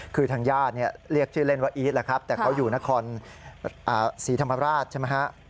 คือทางญาติเรียกชื่อเล่นว่าอีสแต่เขาอยู่นครศรีธรรมราช